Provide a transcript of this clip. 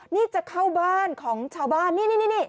นี่จะเข้าบ้านของชาวบ้านนี่